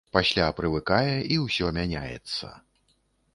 Пасля прывыкае, і ўсё мяняецца.